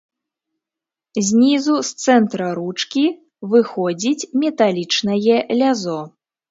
Знізу з цэнтра ручкі выходзіць металічнае лязо.